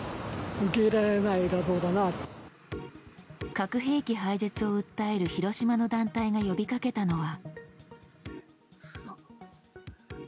核兵器廃絶を訴える広島の団体が呼びかけたのは。